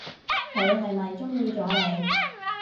佢係咪中意咗你？